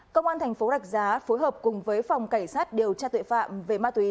công an thành phố rạch giá phối hợp cùng với phòng cảnh sát điều tra tội phạm về ma túy